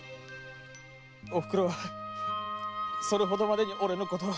おふくろはそれほどまでに俺のことを。